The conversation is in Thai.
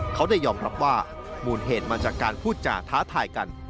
เขาได้ยอมรับว่ามูลเหตุมาจากการพูดจาท้าทายกัน